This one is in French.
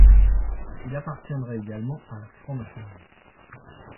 Il appartiendrait également à la franc-maçonnerie.